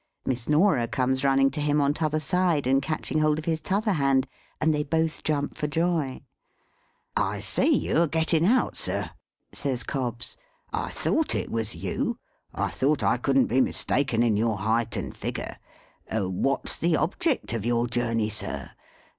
Miss Norah comes running to him on t'other side and catching hold of his t'other hand, and they both jump for joy. "I see you a getting out, sir," says Cobbs. "I thought it was you. I thought I couldn't be mistaken in your height and figure. What's the object of your journey, sir?